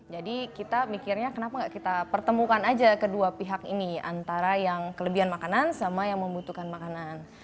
jadi kita mikirnya kenapa nggak kita pertemukan aja kedua pihak ini antara yang kelebihan makanan sama yang membutuhkan makanan